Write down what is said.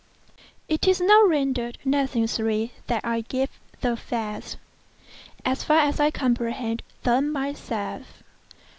It is now rendered necessary that I give the facts—as far as I comprehend them myself.